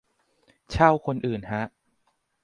เช่าคนอื่นฮะ